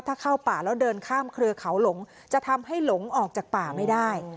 ถ้าเข้าป่าแล้วเดินข้ามเครือเขาหลงจะทำให้หลงออกจากป่าไม่ได้